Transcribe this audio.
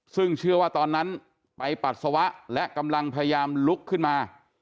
ซึ่งเชื่อว่าตอนนั้นไปปัสสาวะและกำลังพยายามลุกขึ้นมา